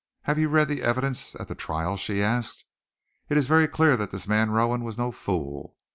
"Have you read the evidence at the trial?" she asked. "It is very clear that this man Rowan was no fool.